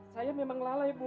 saya memang lalai bu